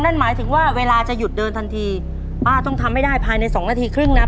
นั่นหมายถึงว่าเวลาจะหยุดเดินทันทีป้าต้องทำให้ได้ภายในสองนาทีครึ่งนะ